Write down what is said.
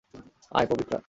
আয়, পবিত্রা।